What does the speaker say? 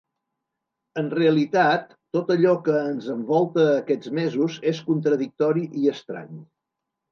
En realitat, tot allò que ens envolta aquests mesos és contradictori i estrany.